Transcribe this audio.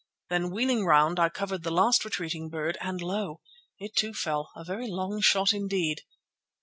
Then, wheeling round, I covered the last retreating bird, and lo! it too fell, a very long shot indeed.